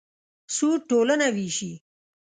سود ټولنه وېشي.